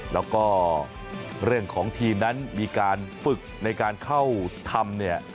แล้วก็เรื่องของทีมนั้นมีการฝึกในการเข้าทำเนี่ย